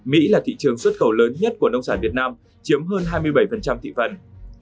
mỹ là thị trường xuất khẩu lớn nhất của nông sản việt nam chiếm hơn hai mươi bảy thị phần